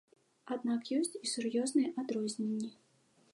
Аднак ёсць і сур'ёзныя адрозненні.